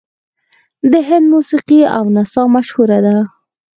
د هند موسیقي او نڅا مشهوره ده.